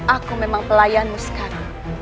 aku memang pelayanmu sekarang